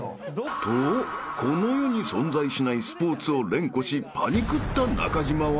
［とこの世に存在しないスポーツを連呼しパニクった中島は］